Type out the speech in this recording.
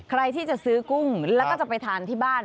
ใครที่จะซื้อกุ้งแล้วก็จะไปทานที่บ้าน